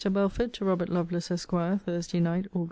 BELFORD, TO ROBERT LOVELACE, ESQ. THURSDAY NIGHT, AUG.